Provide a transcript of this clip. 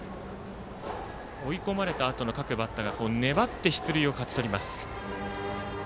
追い込まれたあとの各バッターが粘って出塁を勝ち取ります。